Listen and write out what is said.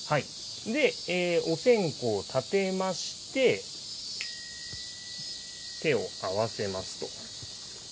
お線香立てまして、手を合わせますと。